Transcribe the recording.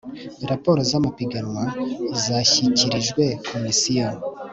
raporo z'amapiganwa zashyikirijwe komisiyo